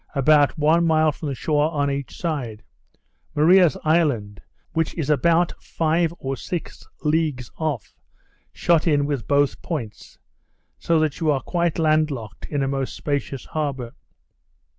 about one mile from the shore on each side; Maria's Island, which is about five or six leagues off, shut in with both points; so that you are quite land locked in a most spacious harbour.